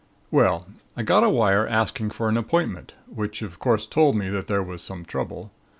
"Well, I got a wire asking for an appointment, which of course told me that there was some trouble.